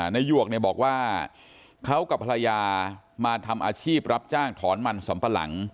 หยวกเนี่ยบอกว่าเขากับภรรยามาทำอาชีพรับจ้างถอนมันสำปะหลัง